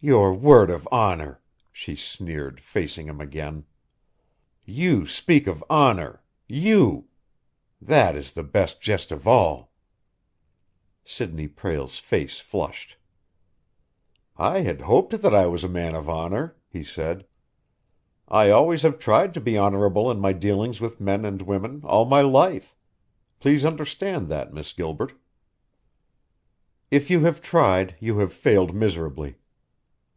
"Your word of honor!" she sneered, facing him again. "You speak of honor you? That is the best jest of all!" Sidney Prale's face flushed. "I had hoped that I was a man of honor," he said. "I always have tried to be honorable in my dealings with men and women, all my life. Please understand that, Miss Gilbert." "If you have tried, you have failed miserably.